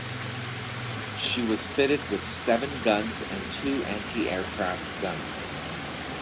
She was fitted with seven guns and two anti-aircraft guns.